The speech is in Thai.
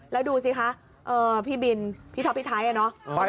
แล้วดูสิคะพี่บินพี่ท็อปพี่ไทยอะเนาะ